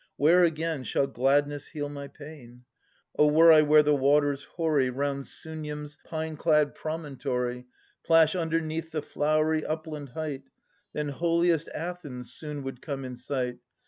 Where again Shall gladness heal my pain ? O were I where the waters hoary. Round Sunium's pine clad promontory. Plash underneath the flowery upland height. Then holiest Athens soon would come in sight.